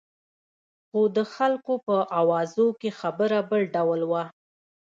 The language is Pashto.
خو د خلکو په اوازو کې خبره بل ډول وه.